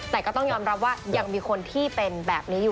แต่ก็ต้องยอมรับว่ายังมีคนที่เป็นแบบนี้อยู่